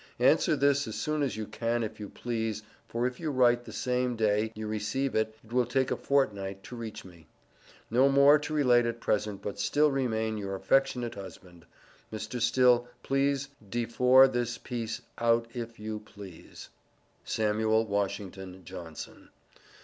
Answer this as soon as you can if you please for if you write the same day you receive it it will take a fortnight to reach me. No more to relate at present but still remain your affectionate husband. Mr. Still please defore this piece out if you please SAMUEL WASHINGTON JOHNSON.